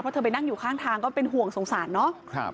เพราะเธอไปนั่งอยู่ข้างทางก็เป็นห่วงสงสารเนาะ